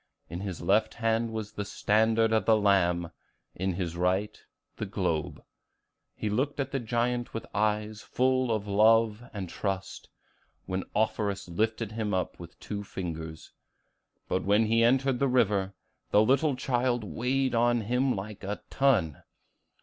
In his left hand was the standard of the Lamb; in his right, the globe. He looked at the giant with eyes full of love and trust, and Offerus lifted him up with two fingers; but when he entered the river, the little child weighed on him like a ton.